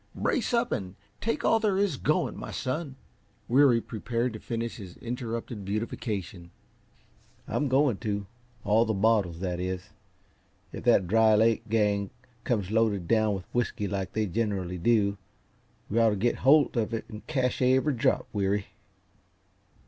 Brace up and take all there is going, my son." Weary prepared to finish his interrupted beautification. "I'm going to all the bottles, that is. If that Dry Lake gang comes loaded down with whisky, like they generally do, we ought to get hold of it and cache every drop, Weary."